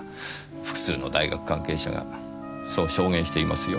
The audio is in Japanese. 複数の大学関係者がそう証言していますよ。